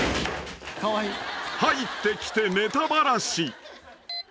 ［入ってきてネタバラシ］